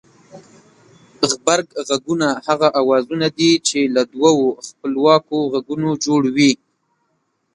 غبرگ غږونه هغه اوازونه دي چې له دوو خپلواکو غږونو جوړ وي